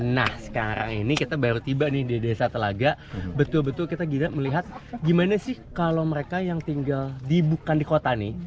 nah sekarang ini kita baru tiba nih di desa telaga betul betul kita melihat gimana sih kalau mereka yang tinggal di bukan di kota nih